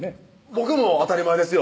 僕も当たり前ですよ